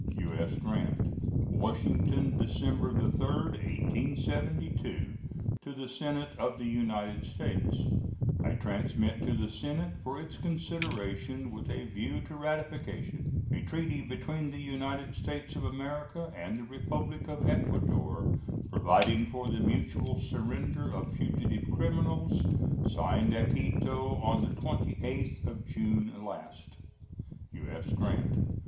U.S. GRANT. WASHINGTON, December 3, 1872. To the Senate of the United States: I transmit to the Senate, for its consideration with a view to ratification, a treaty between the United States of America and the Republic of Ecuador, providing for the mutual surrender of fugitive criminals, signed at Quito on the 28th of June last. U.S. GRANT.